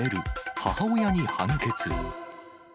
母親に判決。